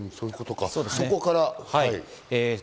そこから。